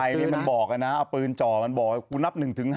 มีคนเข้าไปมันบอกนะเอาปืนจ่อมันบอกว่างูนับ๑๕